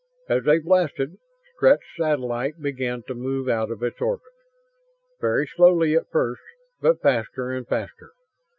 As they blasted, Strett's satellite began to move out of its orbit. Very slowly at first, but faster and faster.